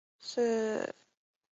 我现在站在宿舍前面